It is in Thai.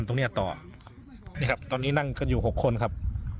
ตรงนี้ต่อตอนนี้นั่งอยู่๖คนครับ